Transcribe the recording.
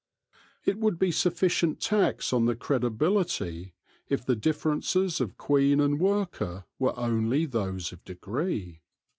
It would be sufficient tax on the credibility if the differences of queen and worker were only those of degree.